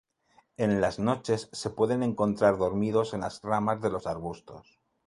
En las noches se pueden encontrar dormidos en las ramas de los arbustos.